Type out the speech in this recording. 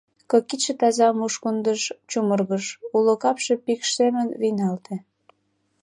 Кок кидше таза мушкындыш чумыргыш, уло капше пикш семын вийналте.